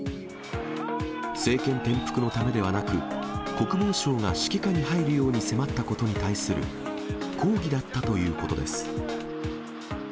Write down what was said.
政権転覆のためではなく、国防省が指揮下に入るよう迫ったことに対する抗議だったということです。